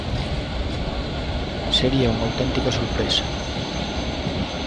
Sería unha auténtica sorpresa.